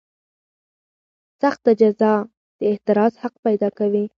سخته جزا د اعتراض حق پیدا کوي.